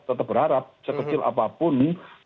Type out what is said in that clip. tetap berharap sekecil apapun